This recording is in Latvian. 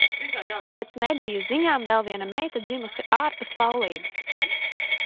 Pēc mediju ziņām vēl viena meita dzimusi ārpus laulības.